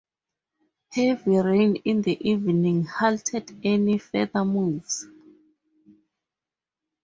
Heavy rain in the evening halted any further moves.